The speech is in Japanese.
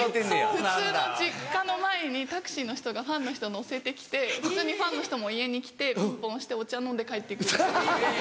普通の実家の前にタクシーの人がファンの人乗せて来て普通にファンの人も家に来てピンポン押してお茶飲んで帰って行く。